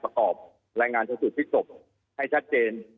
ประกอบรายงานพิสูจน์ที่สบให้ชัดเจน